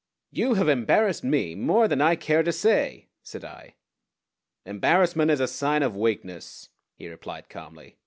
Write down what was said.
"You have embarrassed me more than I care to say," said I. "Embarrassment is a sign of weakness," he replied calmly.